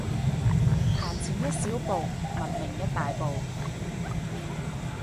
行前一小步，文明一大步